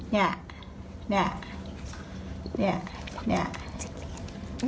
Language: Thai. นี่นี่นี่นี่